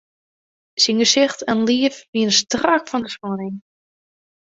Syn gesicht en liif wiene strak fan 'e spanning.